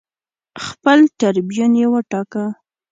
خپل ټربیون یې وټاکه